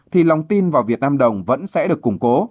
thì lòng tin vào việt nam đồng vẫn sẽ được củng cố